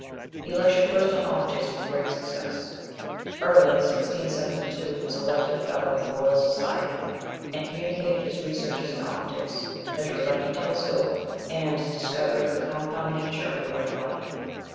He lectured first on optics with great success. Early in 1672 he was elected a Fellow of the Royal Society, and communicated his researches in optics, his reflecting telescope, and his discovery of the compound nature of white light.